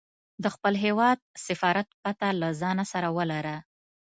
د خپل هیواد سفارت پته له ځانه سره ولره.